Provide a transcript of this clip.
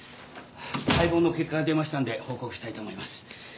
解剖の結果が出ましたんで報告したいと思います。